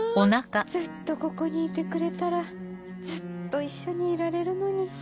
ずっとここにいてくれたらずっと一緒にいられるのに。